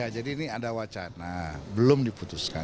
jadi ini ada wacana belum diputuskan